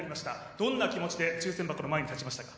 どんな気持ちで抽選箱の前に立ちましたか？